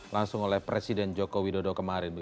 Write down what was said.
langsung oleh presiden joko widodo kemarin